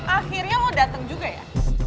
akhirnya lo dateng juga ya